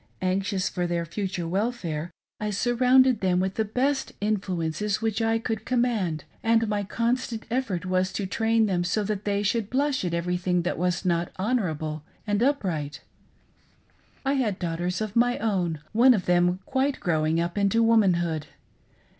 Anxious for their future welfare, I surrounded them with the best influences 44° MY husband's affiance;d wife! which I could command, ^nd my constant effort was to traiil them so that they should blush at everything that was not honorable and upright, I had daughters of my own — one of them quite growing up into womanhood.